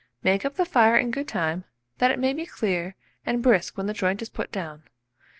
Make up the fire in good time, that it may be clear and brisk when the joint is put down.